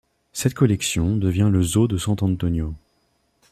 Cette collection devient le zoo de San Antonio.